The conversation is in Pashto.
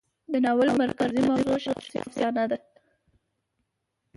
د ناول مرکزي موضوع شخصي افسانه ده.